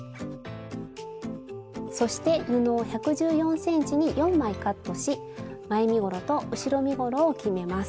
そして布を１１４ｃｍに４枚カットし前身ごろと後ろ身ごろを決めます。